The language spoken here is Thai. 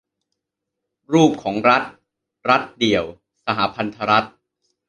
รูปของรัฐ : รัฐเดี่ยว สหพันธรัฐ